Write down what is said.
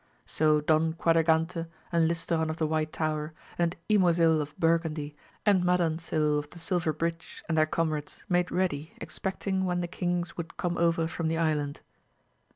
So Don Quadragante, and Listoran of the White Tower, and Ymosil of Burgundy, and Madansil of the Silver Bridge, and their comrades, made ready, expecting when the kings would come over from the island.